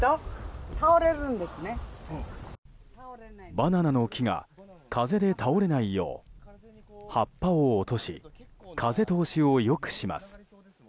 バナナの木が風で倒れないよう葉っぱを落とし風通しを良くします。